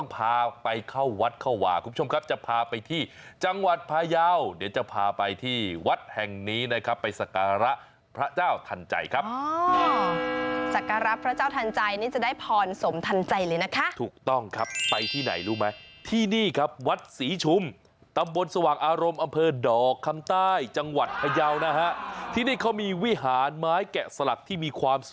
ไปขอพรกันต่อดีกว่า